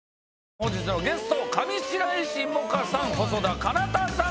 本日のゲスト上白石萌歌さん